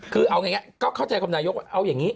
คือเอาง่ายก็เข้าใจคำนายกว่าเอาอย่างนี้